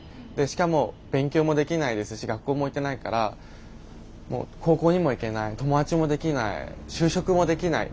しかも勉強もできないですし学校も行けないから高校にも行けない友達もできない就職もできない。